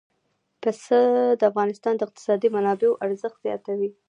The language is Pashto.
پسه د افغانستان د اقتصادي منابعو ارزښت زیاتوي.